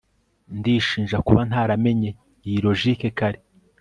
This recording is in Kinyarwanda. ndishinja kuba ntaramenye iyi logique kare